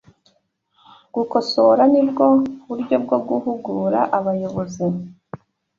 gukosora n’ibwo buryo bwo guhugura abayobozi